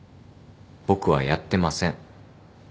僕はやってません。